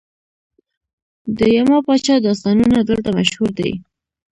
د یما پاچا داستانونه دلته مشهور دي